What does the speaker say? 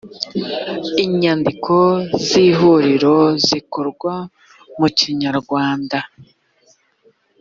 inyandiko z ihuriro zikorwa mu kinyarwanda